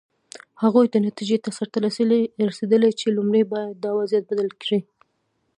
هغوی دې نتیجې ته رسېدلي چې لومړی باید دا وضعیت بدل کړي.